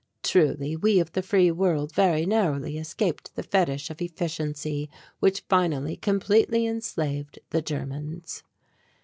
Truly we of the free world very narrowly escaped the fetish of efficiency which finally completely enslaved the Germans.